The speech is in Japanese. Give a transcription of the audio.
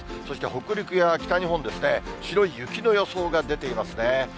そして北陸や北日本ですね、白い雪の予想が出ていますね。